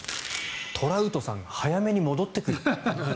トラウトさんが早めに戻ってくる。